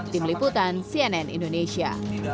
tim liputan cnn indonesia